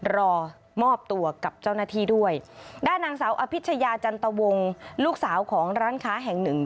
รอมอบตัวกับเจ้าหน้าที่ด้วยด้านนางสาวอภิชยาจันตวงลูกสาวของร้านค้าแห่งหนึ่ง